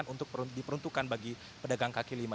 untuk diperuntukkan bagi pedagang kaki lima